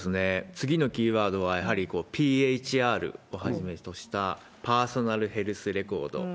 次のキーワードはやはりＰＨＲをはじめとしたパーソナル・ヘルス・レコード。